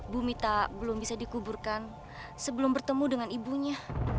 bu mita belum bisa dikuburkan sebelum bertemu dengan ibunya